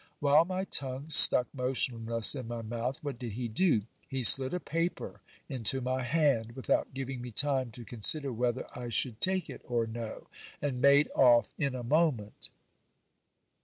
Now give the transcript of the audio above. While my tongue stuck motionless in my mouth, what did he do? He slid a paper into my hand without giving me time to consider whether I should take it or no, and made oft' in a moment.